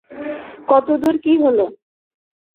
কতদুর কী হলো?